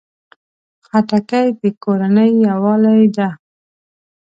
خټکی د کورنۍ یووالي ده.